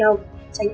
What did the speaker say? giờ bạn có anh nhé